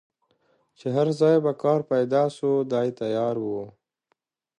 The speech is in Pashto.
چي هر ځای به کار پیدا سو دی تیار وو